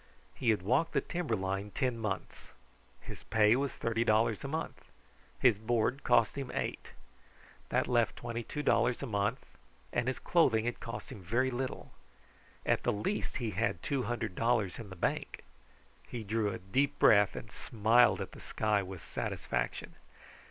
He had walked the timber line ten months. His pay was thirty dollars a month, and his board cost him eight. That left twenty two dollars a month, and his clothing had cost him very little. At the least he had two hundred dollars in the bank. He drew a deep breath and smiled at the sky with satisfaction.